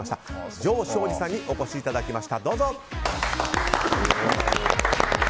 城彰二さんにお越しいただきました。